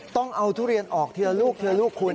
ต้องเอาทุเรียนออกทีละลูกทีละลูกคุณ